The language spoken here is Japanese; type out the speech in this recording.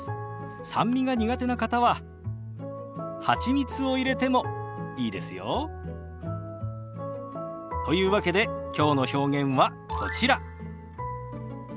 酸味が苦手な方ははちみつを入れてもいいですよ。というわけできょうの表現はこちら。